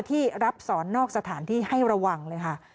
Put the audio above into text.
ที่รับสอนนอกสถานที่ให้ระวังเลยค่ะ